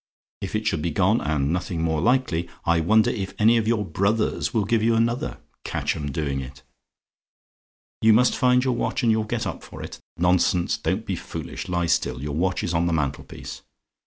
If it should be gone and nothing more likely I wonder if any of your 'brothers' will give you another? Catch 'em doing it. "YOU MUST FIND YOUR WATCH? AND YOU'LL GET UP FOR IT? "Nonsense! don't be foolish lie still. Your watch is on the mantelpiece.